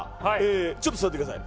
ちょっと座ってください。